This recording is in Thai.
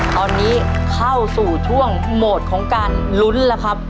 ตอนนี้เข้าสู่ช่วงโหมดของการลุ้นแล้วครับ